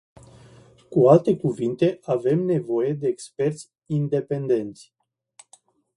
Cu alte cuvinte, avem nevoie de experți independenți.